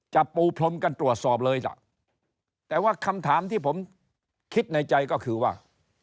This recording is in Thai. ปูพรมกันตรวจสอบเลยล่ะแต่ว่าคำถามที่ผมคิดในใจก็คือว่า